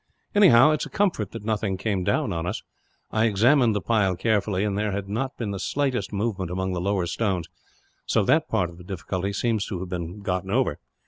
"Anyhow, it is a comfort that nothing came down on top of us. I examined the pile carefully, and there had not been the slightest movement among the lower stones; so that part of the difficulty seems to have been got over.